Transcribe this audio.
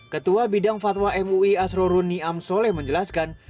ketua bidang fatwa mui asrorun niam soleh menjelaskan